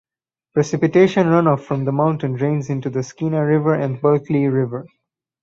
Precipitation runoff from the mountain drains into the Skeena River and Bulkley River.